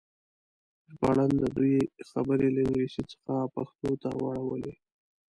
ژباړن د دوی خبرې له انګلیسي څخه پښتو ته واړولې.